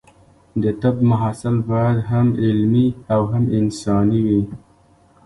د طب محصل باید هم علمي او هم انساني وي.